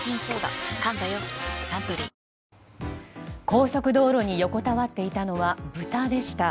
高速道路に横たわっていたのはブタでした。